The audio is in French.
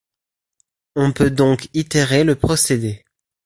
On peut donc itérer le procédé.